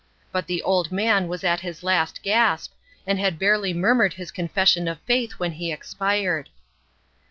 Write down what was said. But the old man was at his last gasp, and had barely murmured his confession of faith when he expired.